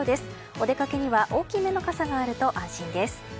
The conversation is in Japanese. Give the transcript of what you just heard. お出かけには大きめの傘があると安心です。